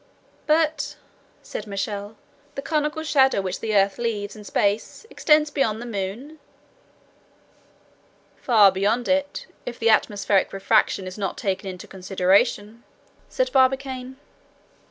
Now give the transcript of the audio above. "But," said Michel, "the conical shadow which the earth leaves in space extends beyond the moon?" "Far beyond it, if the atmospheric refraction is not taken into consideration," said Barbicane.